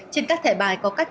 trên các thẻ bài có các chữ